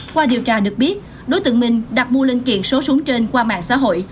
qua điều tra được biết đối tượng minh đặt mua linh kiện số súng trên qua mạng xã hội